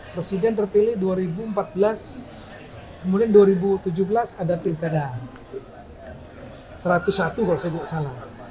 presiden terpilih dua ribu empat belas kemudian dua ribu tujuh belas ada pilkada satu ratus satu kalau saya tidak salah